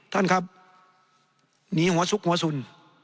ท่านครับหนีหัวชุกหัวสุน